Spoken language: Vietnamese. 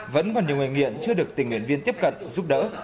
vẫn còn nhiều người nghiện chưa được tình nguyện viên tiếp cận giúp đỡ